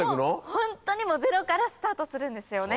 ホントにゼロからスタートするんですよね。